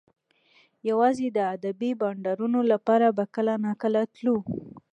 یوازې د ادبي بنډارونو لپاره به کله ناکله تللو